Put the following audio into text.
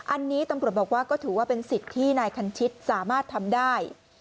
อันนี้ตำรวจบอกว่าก็ถือว่าเป็นสิทธิ์ที่นายคันชิตสามารถทำได้